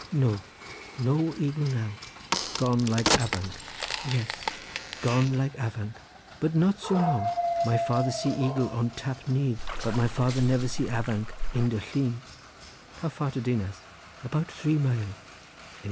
"No, no eagle now." "Gone like avanc?" "Yes, gone like avanc, but not so long. My father see eagle on Tap Nyth, but my father never see avanc in de llyn." "How far to Dinas?" "About three mile."